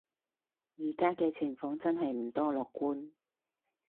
而家嘅情況真係唔多樂觀